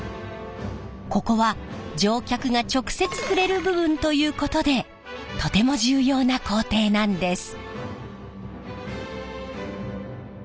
ここは乗客が直接触れる部分ということでとても重要な工程なんです。